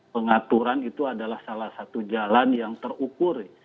pengaturan itu adalah salah satu jalan yang terukur